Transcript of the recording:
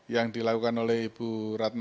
yang dilakukan oleh ibu ratna